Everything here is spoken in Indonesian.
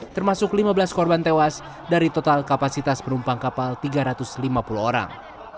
termasuk lima belas korban tewas dari total kapasitas penumpang kapal tiga ratus lima puluh orang